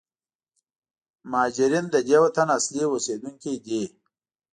مهارجرین د دې وطن اصلي اوسېدونکي دي.